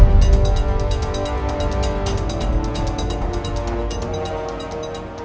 aku akan menentangmu